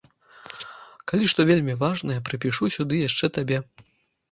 Калі што вельмі важнае, прыпішу сюды яшчэ табе.